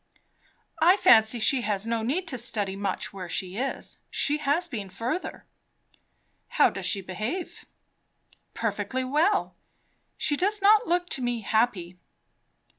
"I fancy she has no need to study much where she is. She has been further." "How does she behave?" "Perfectly well. She does not look to me happy."